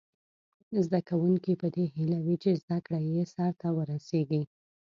زده کوونکي په دې هیله وي چې زده کړه یې سرته ورسیږي.